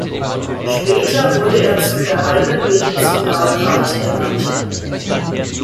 Später wurde er zum Geheimen Medizinalrat ernannt.